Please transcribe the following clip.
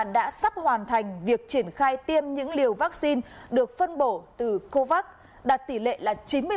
đã sắp hoàn thành việc triển khai tiêm những liều vaccine được phân bổ từ covax đạt tỷ lệ là chín mươi bảy